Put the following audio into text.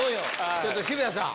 ちょっと渋谷さん。